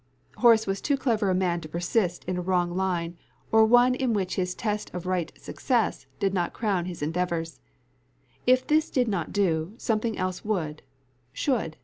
_" Horace was too clever a man to persist in a wrong line, or one in which his test of right success did not crown his endeavours. If this did not do, something else would should.